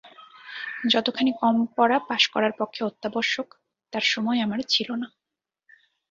যতখানি কম পড়া পাস করার পক্ষে অত্যাবশ্যক, তার সময় আমার ছিল না।